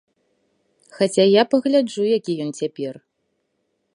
Хаця я пагляджу, які ён цяпер.